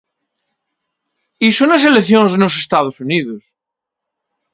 Iso nas eleccións nos Estados Unidos.